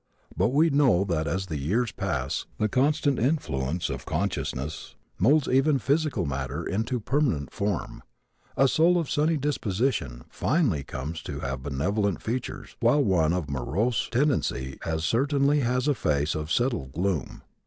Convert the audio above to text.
But we know that as the years pass the constant influence of consciousness moulds even physical matter into permanent form. A soul of sunny disposition finally comes to have benevolent features while one of morose tendency as certainly has a face of settled gloom.